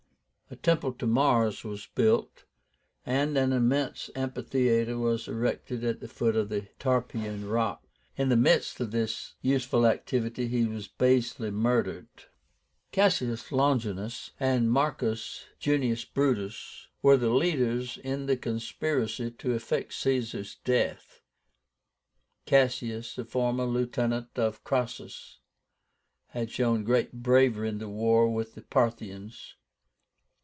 A temple to Mars was built, and an immense amphitheatre was erected at the foot of the Tarpeian Rock. In the midst of this useful activity he was basely murdered. CASSIUS LONGINUS and MARCUS JUNIUS BRUTUS were the leaders in the conspiracy to effect Caesar's death, Cassius, a former lieutenant of Crassus, had shown great bravery in the war with the Parthians.